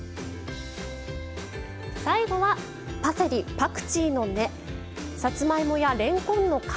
最後は「パセリパクチーの根さつまいもやれんこんの皮」です。